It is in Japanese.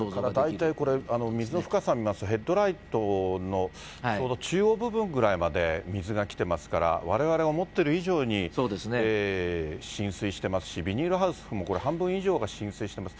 大体これ、水の深さが、ヘッドライトのちょうど中央部分くらいまで水が来てますから、われわれが思っている以上に浸水していますし、ビニールハウスもこれ、半分以上が浸水してます。